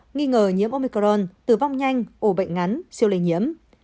nghi ngờ nhiễm omicron tử vong nhanh ủ bệnh ngắn siêu lây nhiễm